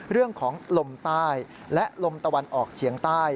เรื่องของลมใต้และลมตะวันออกเฉียงใต้